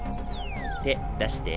手出して。